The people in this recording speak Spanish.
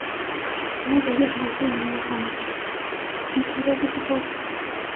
Una de ellas muestra a El Niño organizar las partituras de su padre.